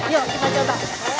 yuk kita coba